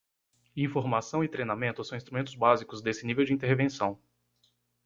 Informação e treinamento são instrumentos básicos desse nível de intervenção.